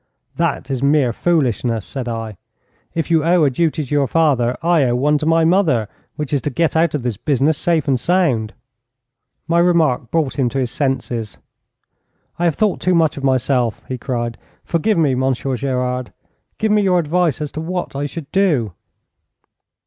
'That is mere foolishness,' said I. 'If you owe a duty to your father, I owe one to my mother, which is to get out of this business safe and sound.' My remark brought him to his senses. 'I have thought too much of myself!' he cried. 'Forgive me, Monsieur Gerard. Give me your advice as to what I should do.'